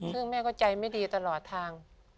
ซึ่งแม่ก็ใจไม่ดีตลอดทาง